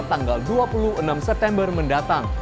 tanggal dua puluh enam september mendatang